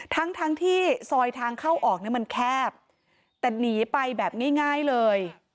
ทั้งที่ซอยทางเข้าออกมันแคบแต่หนีไปแบบง่ายเลย